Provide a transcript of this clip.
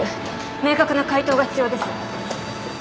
明確な回答が必要ですよ。